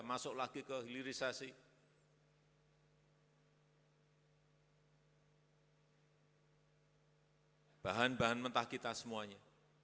masuk lagi ke hilirisasi bahan bahan mentah kita semuanya